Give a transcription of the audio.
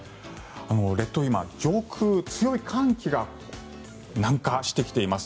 列島、今、上空に強い寒気が南下してきています。